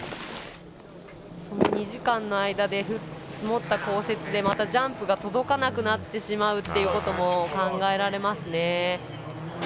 その２時間の間で積もった降雪でまたジャンプが届かなくなってしまうことも考えられますね。